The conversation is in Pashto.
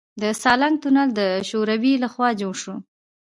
د سالنګ تونل د شوروي لخوا جوړ شو